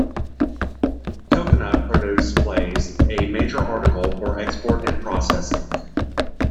Coconut produce plays a major article for export and processing.